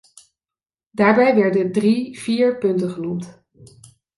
Daarbij werden drie, vier punten genoemd.